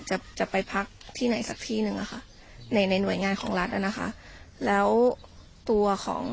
จะไปพักที่ไหนสักที่หนึ่งอะค่ะในในหน่วยงานของรัฐอ่ะนะคะแล้วตัวของ